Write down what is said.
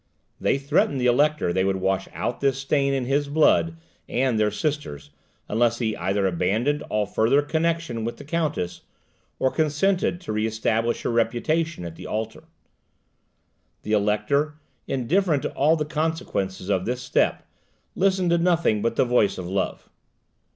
They threatened the elector they would wash out this stain in his blood and their sister's, unless he either abandoned all further connexion with the countess, or consented to re establish her reputation at the altar. The elector, indifferent to all the consequences of this step, listened to nothing but the voice of love.